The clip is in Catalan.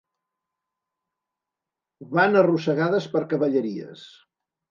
Van arrossegades per cavalleries.